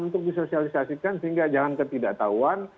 untuk disosialisasikan sehingga jangan ketidaktahuan